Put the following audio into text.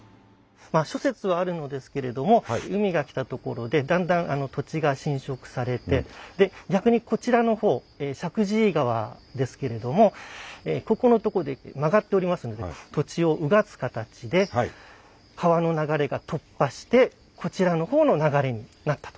諸説はあるのですけれども海が来たところでだんだん土地が侵食されて逆にこちらの方石神井川ですけれどもここのとこで曲がっておりますので土地をうがつ形で川の流れが突破してこちらの方の流れになったと。